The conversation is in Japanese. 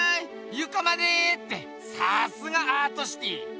ゆかまでってさすがアートシティー！